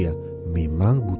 yang ada di piang bunga